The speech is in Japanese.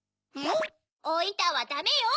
おいたはダメよ！